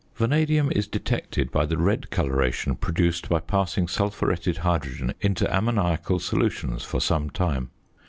Vanadium is detected by the red colouration produced by passing sulphuretted hydrogen into ammoniacal solutions for some time.